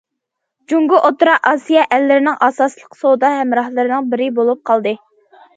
جۇڭگو ئوتتۇرا ئاسىيا ئەللىرىنىڭ ئاساسلىق سودا ھەمراھلىرىنىڭ بىرى بولۇپ قالدى.